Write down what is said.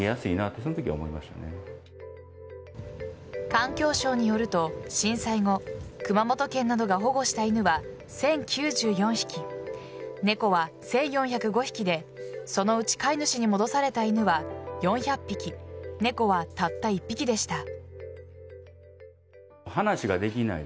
環境省によると、震災後熊本県などが保護した犬は１０９４匹猫は１４０５匹でそのうち飼い主に戻された犬は４００匹猫はたった１匹でした。